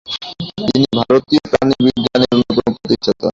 তিনি ভারতীয় প্রাণিবিজ্ঞানের অন্যতম প্রতিষ্ঠাতা।